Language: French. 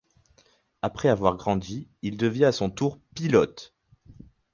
Après avoir grandi, il devient à son tour pilote.